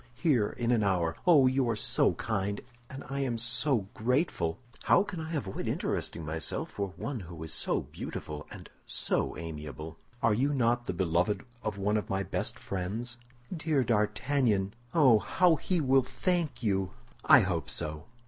"Here, in an hour. Oh, you are so kind, and I am so grateful!" "How can I avoid interesting myself for one who is so beautiful and so amiable? Are you not the beloved of one of my best friends?" "Dear D'Artagnan! Oh, how he will thank you!" "I hope so.